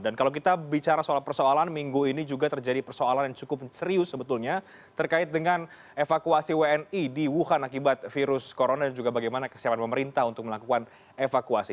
dan kalau kita bicara soal persoalan minggu ini juga terjadi persoalan yang cukup serius sebetulnya terkait dengan evakuasi wni di wuhan akibat virus corona dan juga bagaimana kesiapan pemerintah untuk melakukan evakuasi